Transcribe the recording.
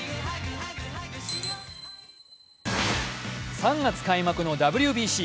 ３月開幕のＷＢＣ。